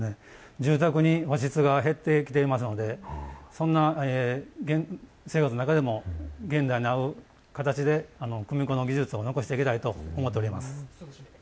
住宅に和室が減ってきていますので、そんな生活の中でも、現代に合う形で組子の技術を残していきたいと思っております。